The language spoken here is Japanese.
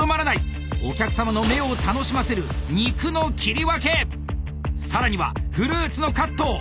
お客様の目を楽しませる肉の切り分け更にはフルーツのカット！